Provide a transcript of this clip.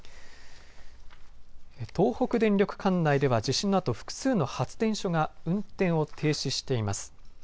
東北電力管内では地震のあと複数の発電所が運転を停止しています。